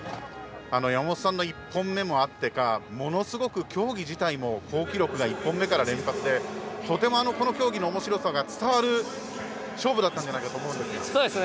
山本さんの１本目もあってかものすごく競技自体も好記録が１本目から連発でとても、この競技のおもしろさが伝わる勝負だったんじゃないかと思うんですが。